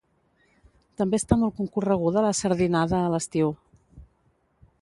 També està molt concorreguda la sardinada a l'estiu.